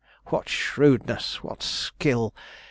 what shrewdness! what skill!